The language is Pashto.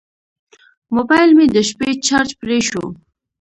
موبایل مې د شپې چارج پرې شو.